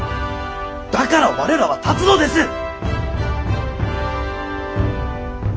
だから我らは立つのです！